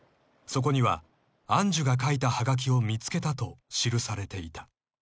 ［そこには愛珠が書いたはがきを見つけたと記されていた］